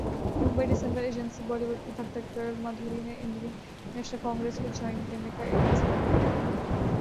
ممبئی ڈسمبرایجنسی Bollywood کی دھک دھک گرل مادھوری نے انڈین نیشنل کانگرس کو جائن کرنے کا فیصلہ کیا ہے